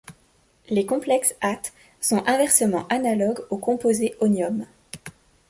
Les complexes ate sont inversement analogues aux composés onium.